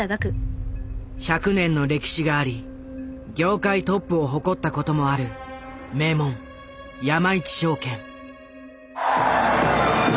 １００年の歴史があり業界トップを誇ったこともある名門山一証券。